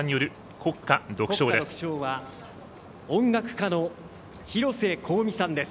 国歌独唱は音楽家の広瀬香美さんです。